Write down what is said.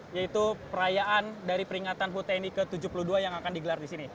yaitu perayaan dari peringatan puteni ke tujuh puluh dua